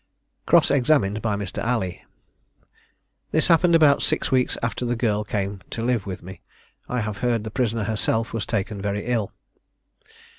Cross examined by Mr. Alley. This happened about six weeks after the girl came to live with me. I have heard the prisoner herself was taken very ill.